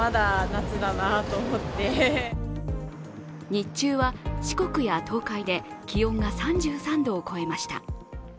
日中は、四国や東海で気温が３３度を超えました。